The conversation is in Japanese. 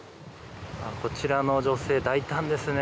こちらの女性大胆ですね。